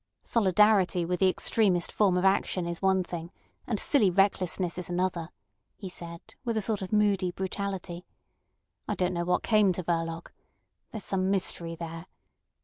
"Solidarity with the extremest form of action is one thing, and silly recklessness is another," he said, with a sort of moody brutality. "I don't know what came to Verloc. There's some mystery there.